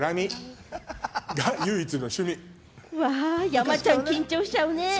山ちゃん、緊張しちゃうね。